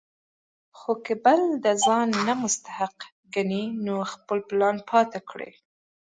خو کۀ بل د ځان نه مستحق ګڼي نو خپل پلان پاتې کړي ـ